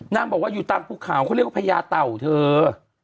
นางบอกว่าอยู่ตามภูเขาเขาเรียกว่าพญาเต่าเธอ